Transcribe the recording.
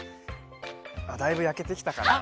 あっだいぶやけてきたかな。